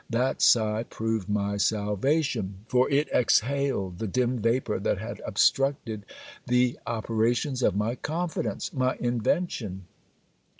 That sigh proved my salvation: for it exhaled the dim vapour that had obstructed the operations of my confidence, my invention!